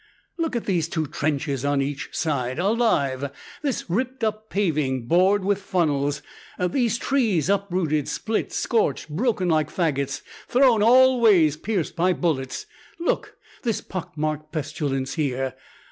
Look at these two trenches on each side, alive; this ripped up paving, bored with funnels; these trees uprooted, split, scorched, broken like faggots, thrown all ways, pierced by bullets look, this pock marked pestilence, here!